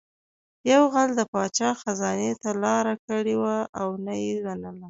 یو غل د پاچا خزانې ته لاره کړې وه او نه یې منله